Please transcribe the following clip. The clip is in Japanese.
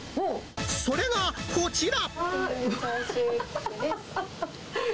それがこちら。